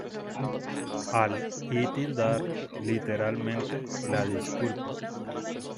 Al-i'tidar: Literalmente, la disculpa.